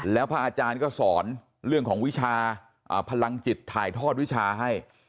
แล้วพระอาจารย์ก็สอนเรื่องของวิชาพลังจิตถ่ายทอดวิชาให้